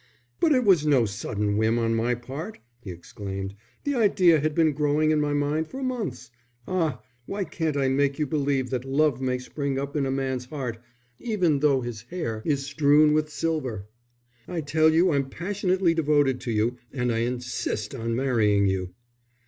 "But it was no sudden whim on my part," he exclaimed. "The idea had been growing in my mind for months. Ah, why can't I make you believe that love may spring up in a man's heart even though his hair is strewn with silver? I tell you I'm passionately devoted to you, and I insist on marrying you."